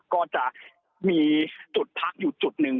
ก็จะมีจุดพักอยู่จุดหนึ่ง